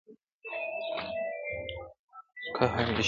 قهر د شینکي اسمان ګوره چي لا څه کیږي؛